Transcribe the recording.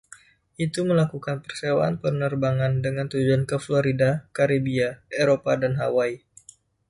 Itu melakukan persewaan penerbangan dengan tujuan ke Florida, Karibia, Eropa dan Hawaii.